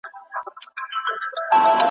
نور د سوال لپاره نه ځو په اسمان اعتبار نسته ,